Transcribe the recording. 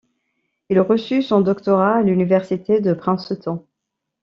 Il reçut son doctorat à l'université de Princeton.